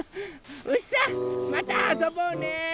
うしさんまたあそぼうね！